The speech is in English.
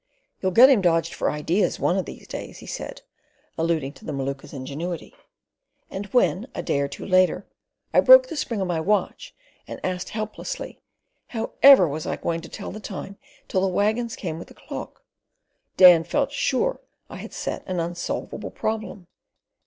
"You'll get him dodged for ideas one of these days," he said, alluding to the Maluka's ingenuity, and when, a day or two later, I broke the spring of my watch and asked helplessly, "However was I going to tell the time till the waggons came with the clock?" Dan felt sure I had set an unsolvable problem.